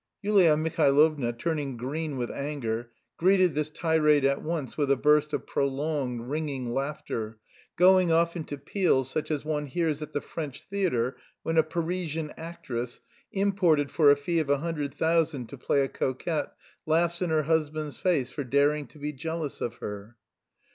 Yulia Mihailovna, turning green with anger, greeted this tirade at once with a burst of prolonged, ringing laughter, going off into peals such as one hears at the French theatre when a Parisian actress, imported for a fee of a hundred thousand to play a coquette, laughs in her husband's face for daring to be jealous of her.